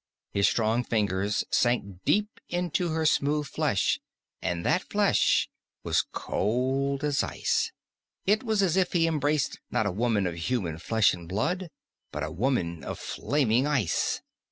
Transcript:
His strong fingers sank deep into her smooth flesh, and that flesh was cold as ice. It was as if he embraced not a woman of human flesh and blood, but a woman of flaming ice.